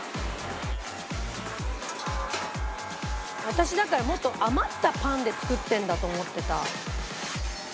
私だからもっと余ったパンで作ってるんだと思ってた。